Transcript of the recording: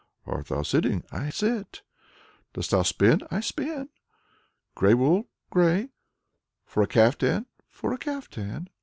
"Art thou sitting?" "I sit." "Dost thou spin?" "I spin." "Grey wool?" "Grey." "For a caftan?" "For a caftan."